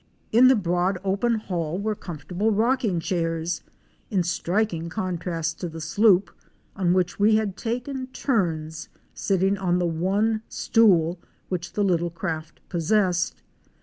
* In the broad open hall were comfortable rocking chairs, in striking contrast to the sloop on which we had taken turns sitting on the one stool which the little craft possessed.